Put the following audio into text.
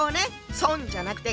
孫じゃなくて